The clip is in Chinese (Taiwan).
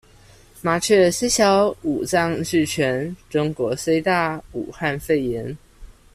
麻雀雖小，五臟俱全；中國雖大，武漢肺炎